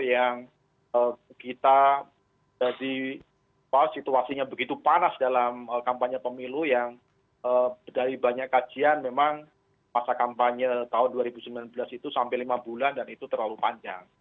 yang kita jadi situasinya begitu panas dalam kampanye pemilu yang dari banyak kajian memang masa kampanye tahun dua ribu sembilan belas itu sampai lima bulan dan itu terlalu panjang